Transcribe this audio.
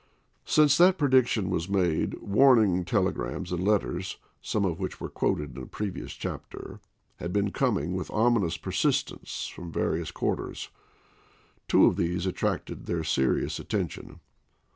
Since that prediction was made warning telegrams and letters, some of which were quoted in a previous chapter, had been coming with ominous persistence from various quarters. Two of these attracted their serious at tention.